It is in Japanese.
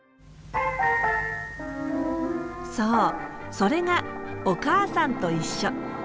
そうそれが「おかあさんといっしょ」。